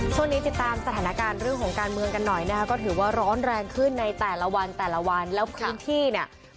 ช่วงนี้ติดตามสถานการณ์เรื่องของการเมืองกันหน่อยนะคะก็ถือว่าร้อนแรงขึ้นในแต่ละวันแต่ละวันแล้วพื้นที่เนี่ย